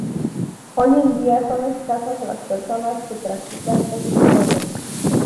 Hoy en día son escasas las personas que practican este juego.